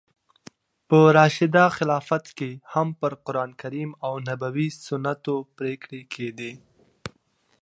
په راشده خلافت کښي هم پر قرانکریم او نبوي سنتو پرېکړي کېدې.